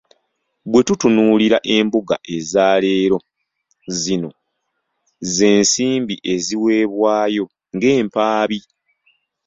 "Bwe tutunuulira embuga eza leero, zino z’ensimbi eziweebwayo ng’empaabi."